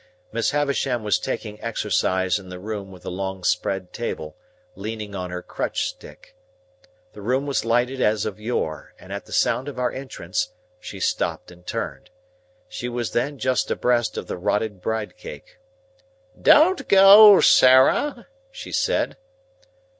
Miss Havisham was taking exercise in the room with the long spread table, leaning on her crutch stick. The room was lighted as of yore, and at the sound of our entrance, she stopped and turned. She was then just abreast of the rotted bride cake. "Don't go, Sarah," she said.